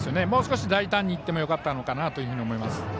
もう少し大胆にいってもよかったのかなと思います。